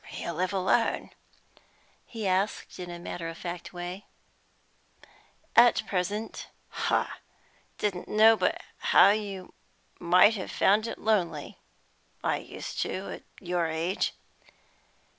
"You live alone?" he asked, in a matter of fact way. "At present." "Ha! Didn't know but you might have found it lonely; I used to, at your age."